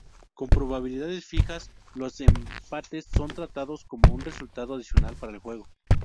Con probabilidades fijas, los empates son tratados como un resultado adicional para el juego.